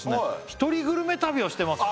「一人グルメ旅をしてます」